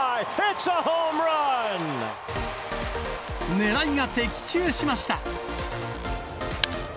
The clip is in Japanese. ねらいが的中しました。